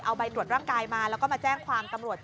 เอาใบตรวจร่างกายมาแล้วก็มาแจ้งความตำรวจ